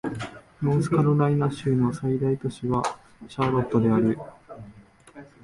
ノースカロライナ州の最大都市はシャーロットである